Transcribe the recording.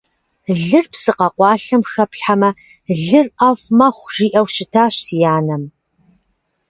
Лыр псы къэкъуалъэм хэплъхьэмэ – лыр ӀэфӀ мэхъу, жиӀэу щытащ си анэм.